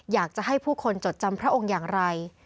อยากจะให้ผู้คนจดจำพระองค์อย่างไร